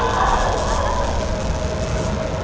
พูก